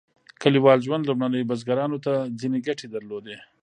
کلیوال ژوند لومړنیو بزګرانو ته ځینې ګټې درلودې.